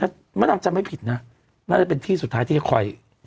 ถ้ามะดำจำไม่ผิดนะน่าจะเป็นที่สุดท้ายที่คอย